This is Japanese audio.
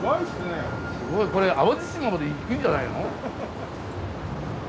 すごいこれ淡路島までいくんじゃないの？